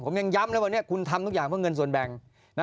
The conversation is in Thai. ผมยังย้ำเลยวันนี้คุณทำทุกอย่างเพื่อเงินส่วนแบ่ง